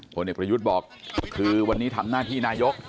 ผลเอกประยุทธ์บอกคือวันนี้ทำหน้าที่นายก